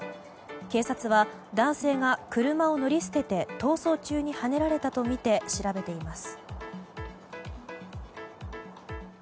警察は、男性が車を乗り捨てて逃走中にはねられたとみて調べています。